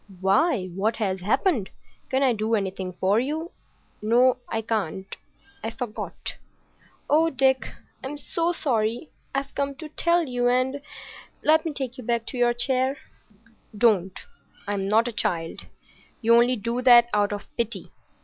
"Why, what has happened? Can I do anything for you? No, I can't. I forgot." "Oh, Dick, I'm so sorry! I've come to tell you, and—— Let me take you back to your chair." "Don't! I'm not a child. You only do that out of pity.